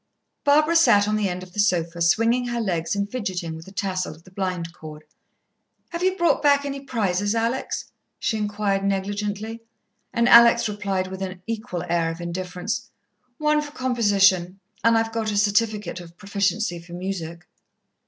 Barbara sat on the end of the sofa, swinging her legs and fidgetting with the tassel of the blind cord. "Have you brought back any prizes, Alex?" she enquired negligently. And Alex replied with an equal air of indifference: "One for composition, and I've got a certificate of proficiency for music."